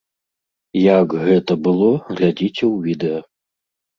Як гэта было, глядзіце ў відэа.